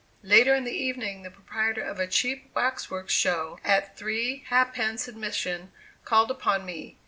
Later in the evening, the proprietor of a cheap wax works show, at three ha' pence admission, called upon me.